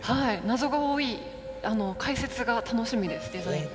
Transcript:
謎が多い解説が楽しみですデザイン。